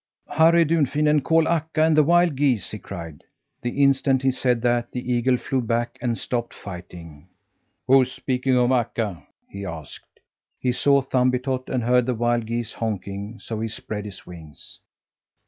"Hurry, Dunfin, and call Akka and the wild geese!" he cried. The instant he said that, the eagle flew back and stopped fighting. "Who's speaking of Akka?" he asked. He saw Thumbietot and heard the wild geese honking, so he spread his wings.